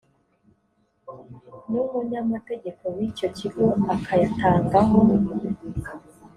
n umunyamategeko w icyo kigo akayatangaho